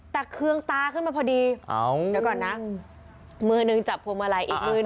แต่เคืองตาขึ้นมาพอดีเดี๋ยวก่อนนะมือหนึ่งจับพวงมาลัยอีกมือหนึ่ง